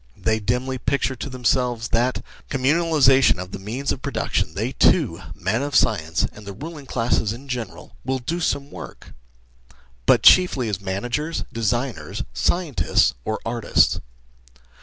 They dimly picture to them selves that, with the communalisation of the means of production, they too men of science, and the ruling classes in general will do some work, but chiefly as managers, designers, scientists, or artiats.